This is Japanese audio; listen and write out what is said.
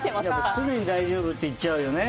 常に大丈夫って言っちゃうよね。